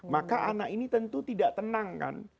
maka anak ini tentu tidak tenang kan